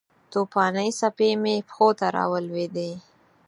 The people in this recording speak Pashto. توپانې څپې مې پښو ته راولویدې